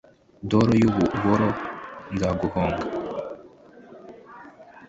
ndoro y' ububoro nzaguhonga